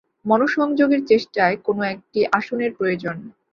মনঃসংযোগের চেষ্টায় কোন একটি আসনের প্রয়োজন।